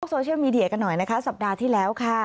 โซเชียลมีเดียกันหน่อยนะคะสัปดาห์ที่แล้วค่ะ